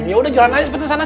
yaudah jalan aja seperti sana